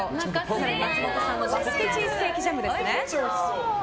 更に松本さんのバスクチーズケーキジャムですね。